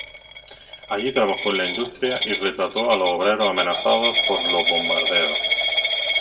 Allí trabajó en la industria y retrató a los obreros amenazados por los bombardeos.